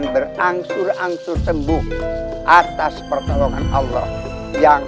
cepat susul lima serah santang